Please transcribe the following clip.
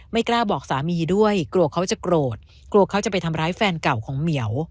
กล้าบอกสามีด้วยกลัวเขาจะโกรธกลัวเขาจะไปทำร้ายแฟนเก่าของเหมียว